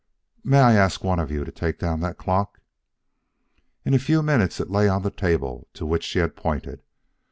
"May I ask one of you to take down that clock?" In a few minutes it lay on the table to which she had pointed.